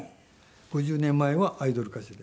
５０年前はアイドル歌手で。